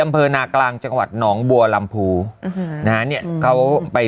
อำเภอนากลางจังหวัดหนองบัวลำพูอืมนะฮะเนี่ยเขาไป